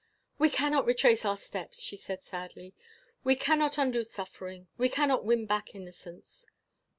"We cannot retrace our steps," she said, sadly, "we cannot undo suffering; we cannot win back innocence."